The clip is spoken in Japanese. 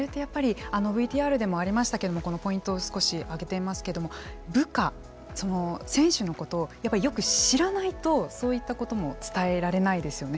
ＶＴＲでもありましたけれどもポイントを少し挙げていますけど部下、選手のことをやっぱりよく知らないとそういったことも伝えられないですよね。